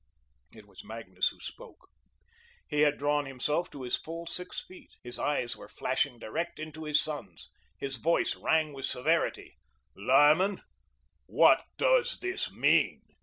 It was Magnus who spoke. He had drawn himself to his full six feet. His eyes were flashing direct into his son's. His voice rang with severity. "Lyman, what does this mean?"